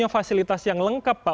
itu punya fasilitas yang lengkap pak